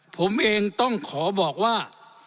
ผมเองต้องขอบอกว่า